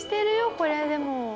これでも。